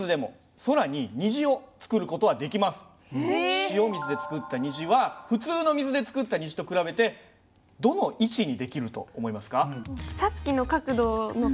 塩水で作った虹は普通の水で作った虹と比べてどの位置にできると思いますか？